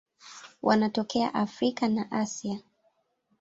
Wanatokea Afrika na Asia.